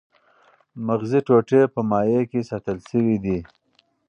مغزي ټوټې په مایع کې ساتل شوې دي.